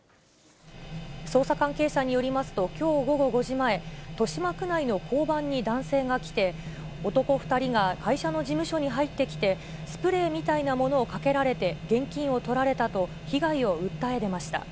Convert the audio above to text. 捜査関係者によりますと、きょう午後５時前、豊島区内の交番に男性が来て、男２人が会社の事務所に入ってきて、スプレーみたいなものをかけられて、現金をとられたと被害を訴え出ました。